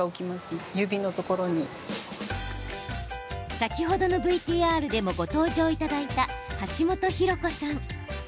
先ほどのＶＴＲでもご登場いただいた橋本博子さん。